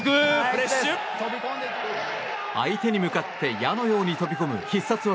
相手に向かって矢のように飛び込む必殺技